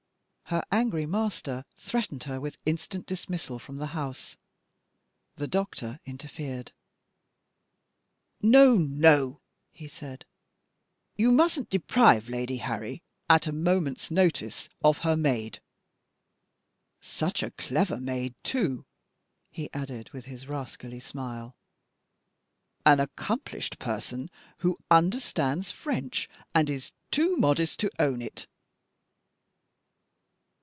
Her angry master threatened her with instant dismissal from the house. The doctor interfered. "No, no," he said; "you mustn't deprive Lady Harry, at a moment's notice, of her maid. Such a clever maid, too," he added with his rascally smile. "An accomplished person, who understands French, and is too modest to own it!"